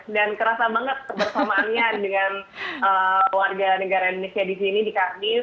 dan kerasa banget bersama sama dengan warga negara indonesia di sini di kandis